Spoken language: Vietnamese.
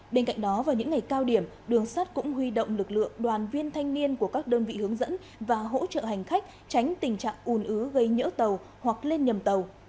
bên cạnh đó vào những ngày cao điểm đường sắt cũng huy động lực lượng đoàn viên thanh niên của các đơn vị hướng dẫn và hỗ trợ hành khách tránh tình trạng ùn ứ gây nhỡ tàu hoặc lên nhầm tàu